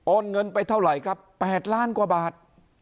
เงินไปเท่าไหร่ครับ๘ล้านกว่าบาท